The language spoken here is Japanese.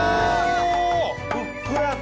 ふっくらと。